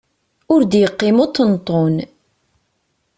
Ur d-yeqqim uṭenṭun!